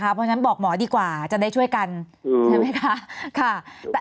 เพราะฉะนั้นบอกหมอดีกว่าจะได้ช่วยกันใช่ไหมคะ